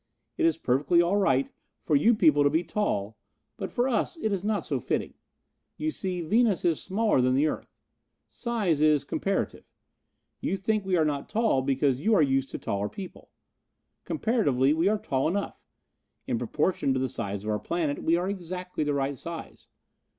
It is perfectly all right for you people to be tall, but for us it is not so fitting. You see, Venus is smaller than the earth. Size is comparative. You think we are not tall because you are used to taller people. Comparatively we are tall enough. In proportion to the size of our planet we are exactly the right size.